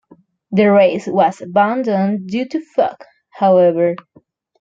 The race was abandoned due to fog, however.